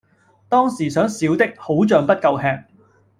當時想小的好像不夠吃